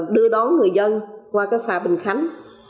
đưa đón người dân qua phà bình khánh